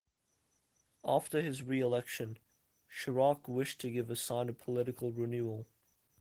After his re-election, Chirac wished to give a sign of political renewal.